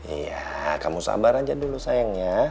iya kamu sabar aja dulu sayangnya